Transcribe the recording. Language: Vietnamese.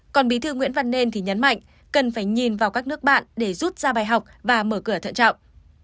còn bí thư nguyễn văn nên thì nhấn mạnh cần phải nhìn vào các nước bạn để rút ra bài học và mở cửa thận trọng